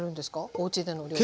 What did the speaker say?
おうちでのお料理。